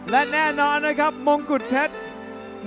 และแน่นอนนะครับมงกุฎเพชร